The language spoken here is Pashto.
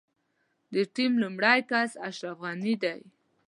د ټيم لومړی کس اشرف غني دی.